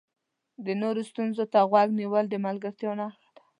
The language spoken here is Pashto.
د نورو ستونزو ته غوږ نیول د ملګرتیا نښه ده.